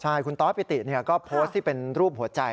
ใช่คุณตอสปิติก็โพสต์ที่เป็นรูปหัวใจ